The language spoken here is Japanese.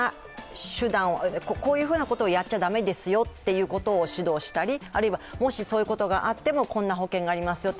こういうふうなことをやっちゃ駄目ですよということを指導したりあるいはもしそういうことがあっても、こんな保険があります